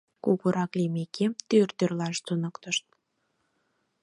Кугурак лиймекем, тӱр тӱрлаш туныктышт.